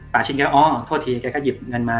ป่าชินแกก็โอ้โธษทีเค้าก็หยิบเงินมา